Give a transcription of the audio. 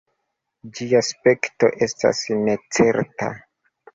Ĝia spektro estas necerta.